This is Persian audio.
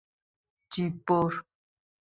جیببر